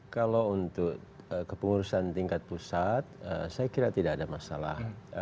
kalau untuk kepengurusan tingkat pusat saya kira tidak ada masalah